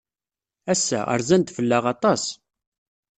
Ass-a, rzan-d fell-aɣ aṭas.